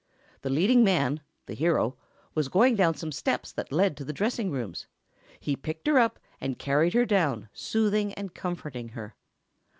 The leading man, the hero, was going down some steps that led to the dressing rooms. He picked her up and carried her down, soothing and comforting her.